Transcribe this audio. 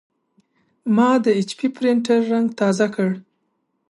ما د ایچ پي پرنټر رنګ تازه کړ.